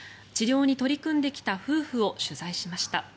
治療に取り組んできた夫婦を取材しました。